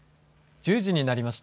１０時になりました。